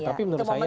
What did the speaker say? tapi menurut saya